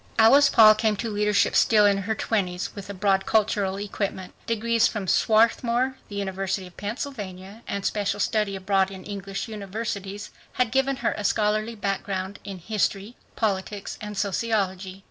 Alice Paul came to leadership still in her twenties, but with a broad cultural equipment. Degrees from Swarthmore, the University of Pennsylvania, and special study abroad in English universities had given her a scholarly background in history, politics, and sociology.